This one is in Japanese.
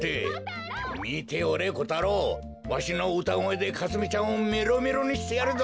みておれコタロウ！わしのうたごえでかすみちゃんをメロメロにしてやるぞ！